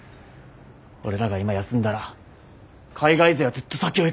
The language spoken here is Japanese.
俺らが今休んだら海外勢はずっと先を行く。